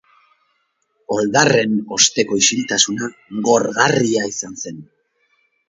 Oldarraren osteko isiltasuna gorgarria izan zen.